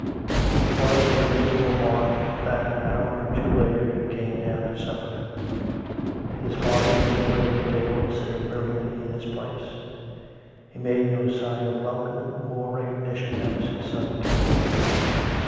It was with a miserable heart that an hour or two later he came down to supper. His father was already at table, sitting grimly in his place; he made no sign of welcome or recognition as his son came in.